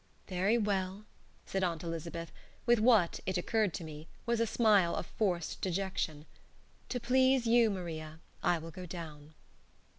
"Very well," said Aunt Elizabeth, with what (it occurred to me) was a smile of forced dejection. "To please you, Maria, I will go down."